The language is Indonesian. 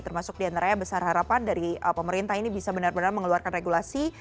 termasuk diantaranya besar harapan dari pemerintah ini bisa benar benar mengeluarkan regulasi